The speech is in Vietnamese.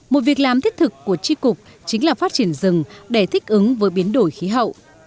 một việc làm thiết thực của tri cục chính là phát triển rừng để thích ứng với biến đổi khí hậu